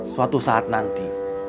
suatu saat nanti